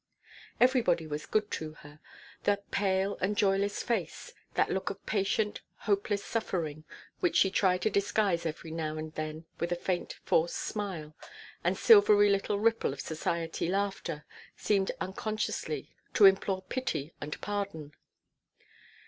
Everybody was good to her. That pale and joyless face, that look of patient, hopeless suffering which she tried to disguise every now and then with a faint forced smile, and silvery little ripple of society laughter, seemed unconsciously to implore pity and pardon.